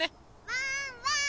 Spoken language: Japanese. ・ワンワーン！